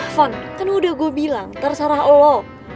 fon kan udah gue bilang terserah lo